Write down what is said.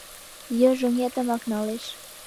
Йыжыҥетымак налеш.